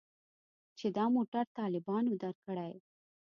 چې دا موټر طالبانو درکړى.